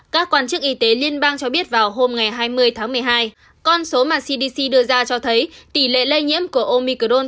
các quan chức y tế liên bang cho biết vào hôm ngày hai mươi tháng một mươi hai con số mà cdc đưa ra cho thấy tỷ lệ lây nhiễm của omicron